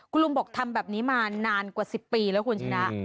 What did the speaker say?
คุณลุงบอกทำแบบนี้มานานกว่า๑๐ปีแล้วคุณชนะ